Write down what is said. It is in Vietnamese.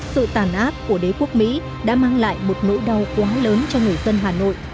sự tàn áp của đế quốc mỹ đã mang lại một nỗi đau quá lớn cho người dân hà nội